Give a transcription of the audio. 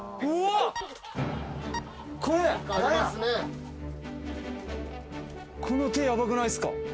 この手ヤバくないですか？